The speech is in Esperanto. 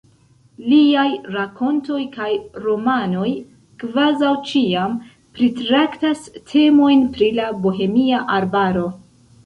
Liaj rakontoj kaj romanoj kvazaŭ ĉiam pritraktas temojn pri la Bohemia Arbaro.